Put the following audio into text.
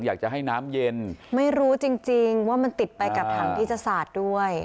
อยากจะให้น้ำเย็นไม่รู้จริงจริงว่ามันติดไปกับถังวิทยาศาสตร์ด้วย